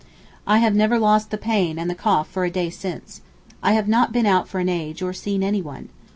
I have never lost the pain and the cough for a day since. I have not been out for an age, or seen anyone.